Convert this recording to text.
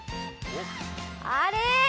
あれ？